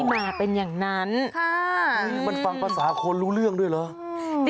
มาเป็นอย่างนั้นมันฟังภาษาคนรู้เรื่องด้วยเหรอ